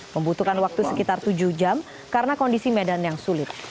membutuhkan waktu sekitar tujuh jam karena kondisi medan yang sulit